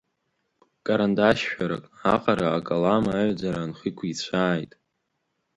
Карандашьшәарак аҟара акалам аҩаӡара нхикәыцәааит.